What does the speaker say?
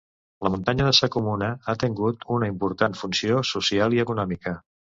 La muntanya de sa Comuna ha tengut una important funció social i econòmica.